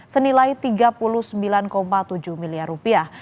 senilai tiga puluh sembilan tujuh miliar rupiah